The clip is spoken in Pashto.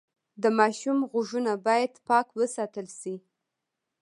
د ماشوم غوږونه باید پاک وساتل شي۔